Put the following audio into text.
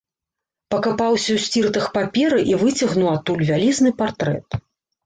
Пакапаўся ў сціртах паперы і выцягнуў адтуль вялізны партрэт.